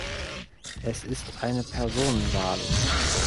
Es ist eine Personenwahl.